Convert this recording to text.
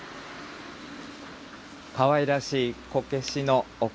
かわいらしいこけしのお顔。